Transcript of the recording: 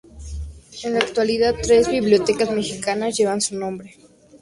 En la actualidad tres bibliotecas mexicanas llevan su nombre.